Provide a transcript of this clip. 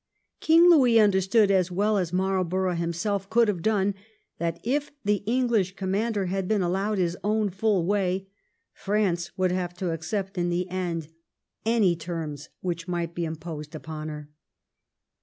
King Louis understood, as well as Marlborough himself could have done, that if the Enghsh commander had been allowed his own full way France would have to accept in the end any terms which might be imposed upon her.